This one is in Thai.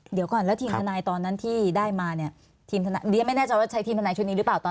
เดี๋ยวก่อนแล้วทีมทนายตอนนั้นที่ได้มาเนี่ยทีมทนายไม่แน่ใจว่าใช้ทีมทนายชุดนี้หรือเปล่าต่อ